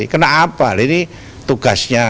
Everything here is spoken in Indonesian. kenapa ini tugasnya